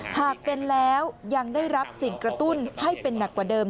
หากเป็นแล้วยังได้รับสิ่งกระตุ้นให้เป็นหนักกว่าเดิม